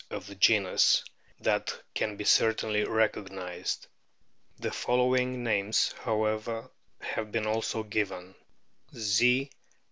234 A BOOK OF WHALES the genus that can be certainly recognised. The following names, however, have been also given : Z.